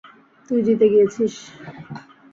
তুই জিতে গিয়েছিস!